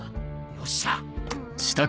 よっしゃ！